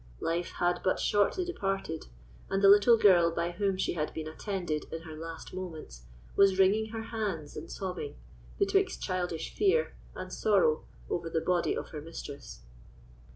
Life had but shortly departed; and the little girl by whom she had been attended in her last moments was wringing her hands and sobbing, betwixt childish fear and sorrow, over the body of her mistress.